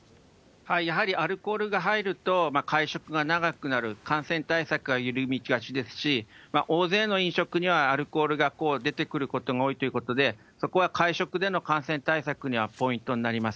やはりアルコールが入ると、会食が長くなる、感染対策が緩みがちですし、大勢の飲食にはアルコールが出てくることが多いということで、そこは会食での感染対策ではポイントになります。